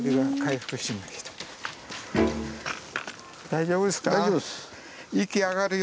大丈夫です。